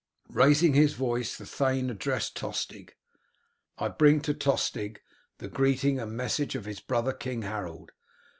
Raising his voice the thane addressed Tostig, "I bring to Tostig the greeting and message of his brother King Harold.